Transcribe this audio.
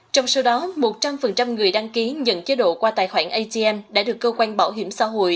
trong số đó một trăm linh người đăng ký nhận chế độ qua tài khoản atm đã được cơ quan bảo hiểm xã hội